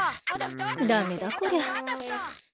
ダメだこりゃ。